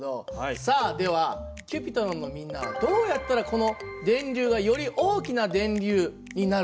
さあではＣｕｐｉｔｒｏｎのみんなはどうやったらこの電流がより大きな電流になると思いますか？